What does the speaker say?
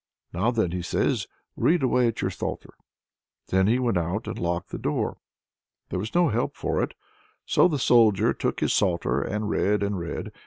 "Now then," he says, "read away at your psalter." Then he went out and locked the door. There was no help for it, so the Soldier took to his psalter and read and read.